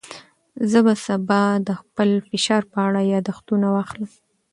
زه به سبا د خپل فشار په اړه یاداښتونه واخلم.